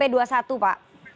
yang pp dua puluh satu pak